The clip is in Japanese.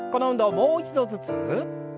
もう一度ずつ。